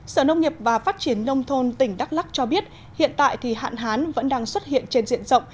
sở nông nghiệp và phát triển nông thôn tỉnh đắk lắc cho biết hiện tại thì hạn hán vẫn đang xuất hiện trên diện rộng